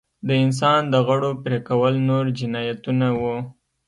د انسان د غړو پرې کول نور جنایتونه وو.